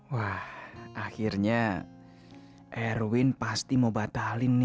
wah akhirnya erwin pasti mau batalin nih